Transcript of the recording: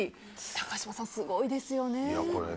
高嶋さん、すごいですよね。